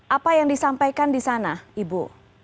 apa yang disampaikan di sana ibu